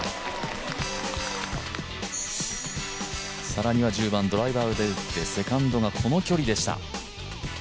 更には１０番、ドライバーで打ってセカンドがこの距離でした。